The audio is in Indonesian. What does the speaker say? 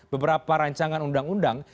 beberapa rancangan undang undang